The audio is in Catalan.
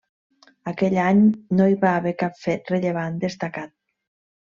Aquell any no hi va haver cap fet rellevant destacat.